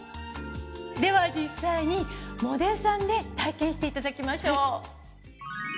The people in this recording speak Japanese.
では実際にモデルさんで体験していただきましょう。